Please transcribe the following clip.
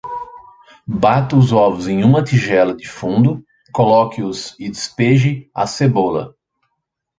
Bata os ovos em uma tigela de fundo, coloque-os e despeje a cebola.